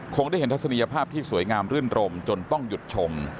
คงได้เห็นทัศนียภาพที่สวยงามรื่นรมจนต้องหยุดชม